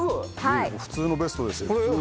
普通のベストですよ。